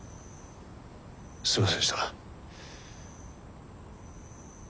すいませんでした。